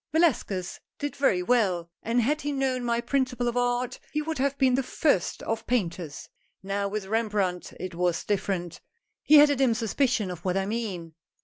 "Velasquez did very well, and had he known my principle of art, he would have been the first of paint ers. Now with Rembrandt, it was different. He had a dim suspicion of what I mean."